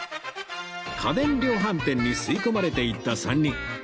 家電量販店に吸い込まれていった３人